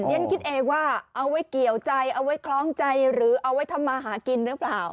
ฉันคิดเองว่าเอาไว้เกี่ยวใจเอาไว้คล้องใจหรือเอาไว้ทำมาหากินหรือเปล่า